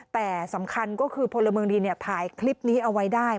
แต่สำคัญก็คือพลเมืองดีถ่ายคลิปนี้เอาไว้ได้